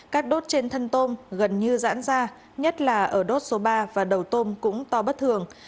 cát đốt trên thân tôm gần như giãn ra nhất là ở đốt số ba và đầu tôm cũng to bất thường